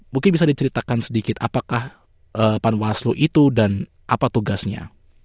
mungkin bisa diceritakan sedikit apakah panwaslu itu dan apa tugasnya